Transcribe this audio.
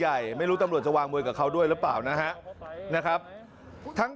ย่ายไม่รู้ตำรวจจะวางมวยกับเขาด้วยขอบพบให้ได้